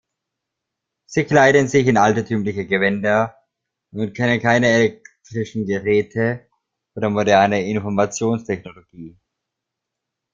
Sie kleiden sich in altertümliche Gewänder und kennen keine elektrischen Geräte oder moderne Informationstechnologie.